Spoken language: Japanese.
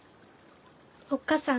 おっ母さん